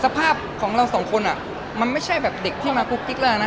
สภาพของเราสองคนอ่ะมันไม่ใช่แบบเด็กที่มากุ๊กกิ๊กแล้วนะ